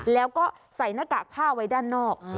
แล้วก็ใส่หน้ากากผ้าไว้ด้านนอก